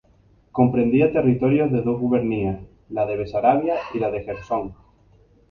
Comprendía territorios de dos gubernias: la de Besarabia y la de Jersón.